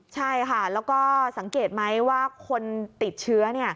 ใช่ค่ะแล้วก็สังเกตไหมว่าคนติดเชื้อ